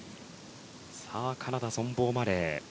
カナダ、ゾンボーマレー。